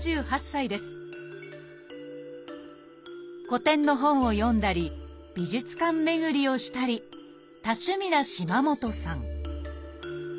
古典の本を読んだり美術館巡りをしたり多趣味な島本さん